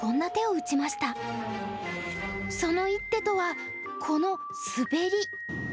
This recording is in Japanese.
その一手とはこのスベリ。